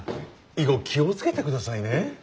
以後気を付けてくださいね。